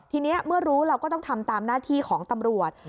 ทีนี้เมื่อรู้เราก็ต้องทำตามหน้าที่ของตำรวจ